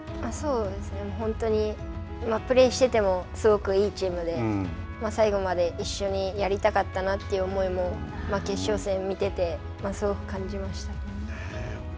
本当に、プレーしていても、すごくいいチームで、最後まで一緒にやりたかったなという思いも決勝戦見てて、すごく感じました。